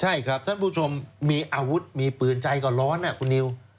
ใช่ครับท่านผู้ชมมีอาวุธมีปืนใจก็ร้อนนะคุณนิว